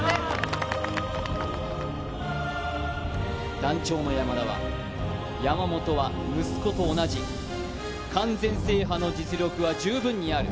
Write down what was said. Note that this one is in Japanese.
団長の山田は、山本は息子と同じ、完全制覇の実力は十分にある。